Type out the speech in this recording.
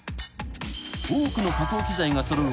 ［多くの加工機材が揃う